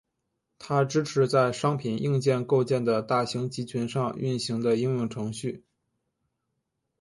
它支持在商品硬件构建的大型集群上运行的应用程序。